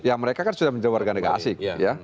ya mereka kan sudah menjadi warga negara aceh ya